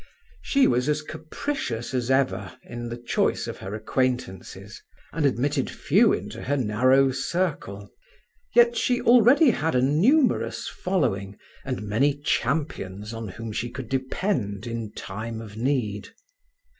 She was as capricious as ever in the choice of her acquaintances, and admitted few into her narrow circle. Yet she already had a numerous following and many champions on whom she could depend in time of need.